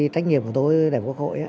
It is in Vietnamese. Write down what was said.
trách nhiệm của tôi đại bộ quốc hội á